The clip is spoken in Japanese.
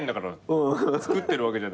作ってるわけじゃないですか。